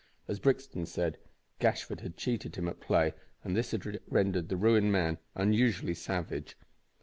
As Brixton said, Gashford had cheated him at play, and this had rendered the ruined man unusually savage.